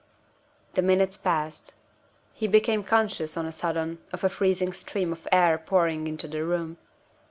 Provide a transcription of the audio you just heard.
The minutes passed. He became conscious, on a sudden, of a freezing stream of air pouring into the room.